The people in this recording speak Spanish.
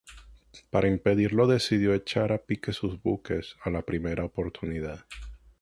Para impedirlo, decidió echar a pique sus buques a la primera oportunidad.